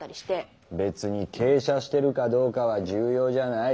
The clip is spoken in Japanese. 別に傾斜してるかどうかは重要じゃない。